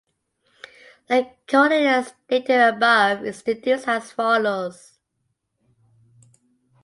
The Corollary stated above is deduced as follows.